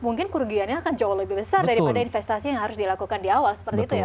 mungkin kerugiannya akan jauh lebih besar daripada investasi yang harus dilakukan di awal seperti itu ya